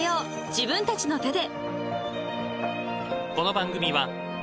自分たちの手で］